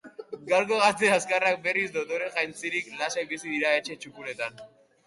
Gaurko gazte azkarrak, berriz, dotore jantzirik, lasai bizi dira etxe txukunetan.